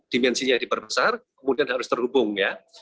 dimensinya diperbesar kemudian harus terhubung ya